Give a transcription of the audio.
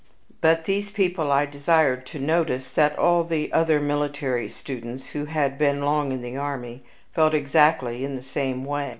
But these people I desired to notice that all the other military students, who had been long in the army, felt exactly in the same way.